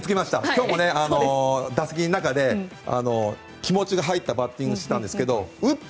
今日も打席の中で気持ちが入ったバッティングしてたんですが打った